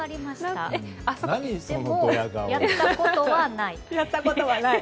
でも、やったことはない。